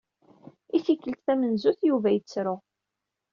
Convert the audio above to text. I tikelt tamenzut, Yuba yettru.